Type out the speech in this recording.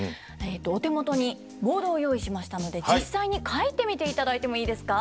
お手元にボードを用意しましたので実際に書いてみていただいてもいいですか？